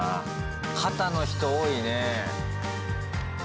肩の人、多いね。